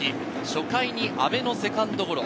初回に阿部のセカンドゴロ。